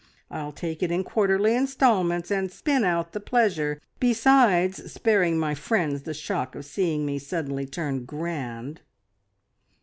I'll take it in quarterly instalments, and spin out the pleasure, besides sparing my friends the shock of seeing me suddenly turn grand.